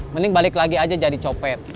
mending balik lagi aja jadi copet